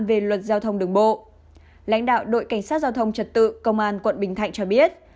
về luật giao thông đường bộ lãnh đạo đội cảnh sát giao thông trật tự công an quận bình thạnh cho biết